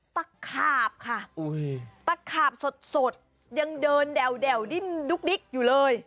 ตะขาบค่ะตะขาบสดยังเดินแด่วดิ้นดุ๊กดิ๊กอยู่เลย